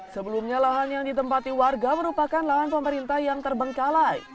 sebelumnya lahan yang ditempati warga merupakan lahan pemerintah yang terbengkalai